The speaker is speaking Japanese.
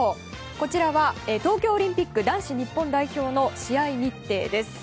こちらは東京オリンピック男子日本代表の試合日程です。